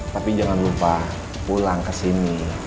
tapi jangan lupa pulang ke sini